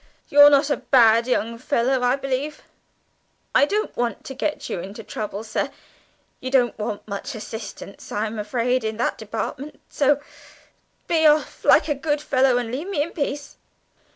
You're not a bad young fellow, I believe. I don't want to get you into trouble, sir; you don't want much assistance, I'm afraid, in that department. So be off, like a good fellow, and leave me in peace."